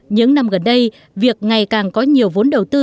những năm gần đây việc ngày càng có nhiều vốn đầu tư